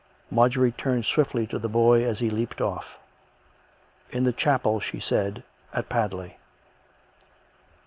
Marjorie turned swiftly to the boy as he leaped oflf. " In the chapel," she said, " at Padley."